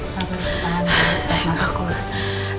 saya gak kuat